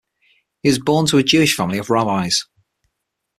He was born to a Jewish family of rabbis.